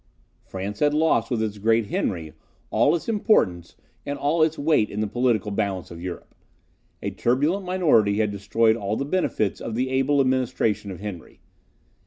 France had lost with its great Henry all its importance and all its weight in the political balance of Europe. A turbulent minority had destroyed all the benefits of the able administration of Henry.